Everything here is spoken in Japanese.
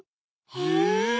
へえ。